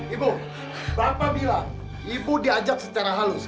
ibu bapak bilang ibu diajak secara halus